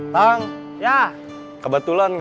terima kasih tang